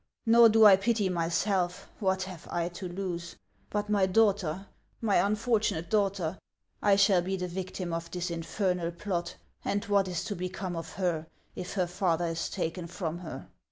Nor do I pity myself; what have I to lose ? But my daughter, — my unfortunate daughter ! I shall be the victim of this infernal plot ; and what is to become of her, if her father is taken from her